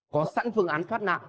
có sẵn phương án thoát nạn